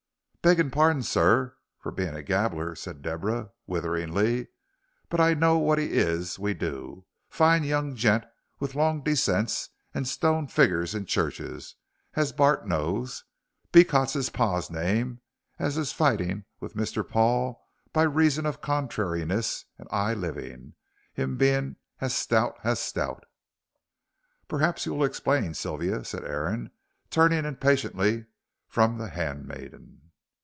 "Begging pardon, sir, for being a gabbler," said Deborah, witheringly, "but know what he is we do a fine young gent with long descents and stone figgers in churches, as Bart knows. Beecot's his par's name, as is fighting with Mr. Paul by reason of contrariness and 'igh living, him being as stout as stout." "Perhaps you will explain, Sylvia," said Aaron, turning impatiently from the handmaiden.